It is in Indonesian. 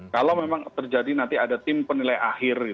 kalau memang terjadi nanti ada tim penilai akhir